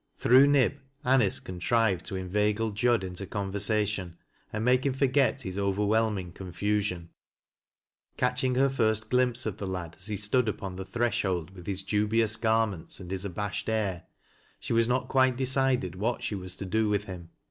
Through Nib, Anice contrived to inveigle Jud into conver jation and make him f Drget his overwhelming conf usiok. Catching her first glimpse of the lad as he stood upon the threshold with his dubious garments and his abasJred air, she was not quite decided what she was to do with him.